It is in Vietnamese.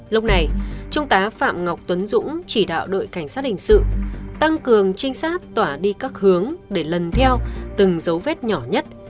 lúc này trung tá phạm ngọc tuấn dũng chỉ đạo đội cảnh sát hình sự tăng cường trinh sát tỏa đi các hướng để lần theo từng dấu vết nhỏ nhất